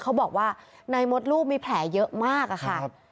เขาบอกว่าในมดรูปมีแผลเยอะมาก